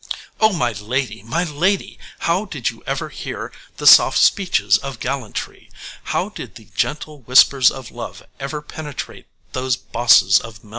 Oh, my lady, my lady! how did you ever hear the soft speeches of gallantry? How did the gentle whispers of love ever penetrate those bosses of millinery?